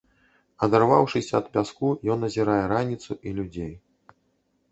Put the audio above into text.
Адарваўшыся ад пяску, ён азірае раніцу і людзей.